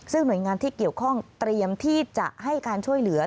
ซึ่งหน่วยงานที่เกี่ยวข้องเตรียมที่จะให้การช่วยเหลือ